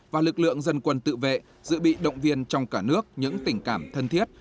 và lực lượng dân quân tự vệ dự bị động viên trong cả nước những tình cảm thân thiết